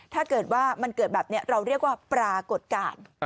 ถ้าเกิดว่ามันเกิดแบบนี้เราเรียกว่าปรากฏการณ์